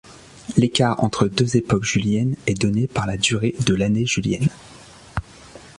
L'écart entre deux époques juliennes est donné par la durée de l'année julienne.